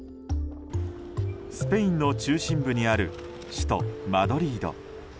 スペインの中心部にある首都マドリード。